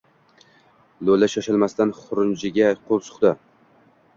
Lo‘li shoshilmasdan xurjuniga qo‘l suqdi.